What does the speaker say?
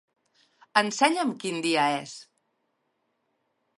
Ensenya'm quin dia és.